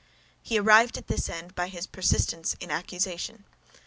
He arrived at this end by his persistence in accusation.